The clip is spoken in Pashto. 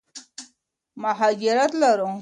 مهاجرت لرو.